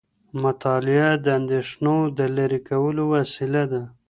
مطالعه د اندیښنو د لرې کولو وسیله ده.